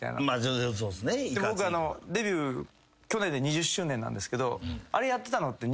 で僕デビュー去年で２０周年なんですけどあれやってたのって。